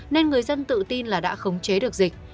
nên người dân tự tin là đã khống chế được dịch